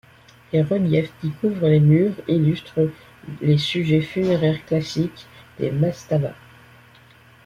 Les reliefs qui couvrent les murs illustrent les sujets funéraires classiques des mastaba.